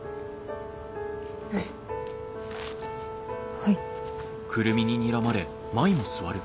はい。